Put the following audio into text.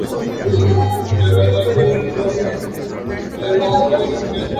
Todo puede pertenecer al mundo del arte, el cual es nuevo en sí mismo.